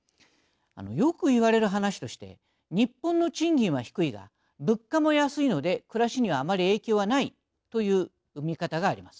よく言われる話として日本の賃金は低いが物価も安いので暮らしにはあまり影響はないという見方があります。